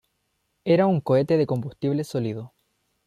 Era un cohete de combustible sólido.